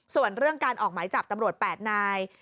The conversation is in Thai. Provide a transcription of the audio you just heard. ส่วนเรื่องการออกหมายจับตำรวจ๘นาย